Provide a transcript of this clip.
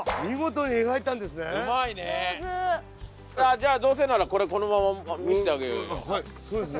じゃあどうせならこれこのまま見してあげようよ。